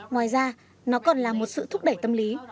ngoài ra nó còn là một sự thúc đẩy tâm lý